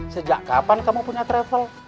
sejak kapan kamu punya travel